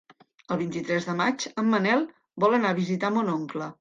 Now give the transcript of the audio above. El vint-i-tres de maig en Manel vol anar a visitar mon oncle.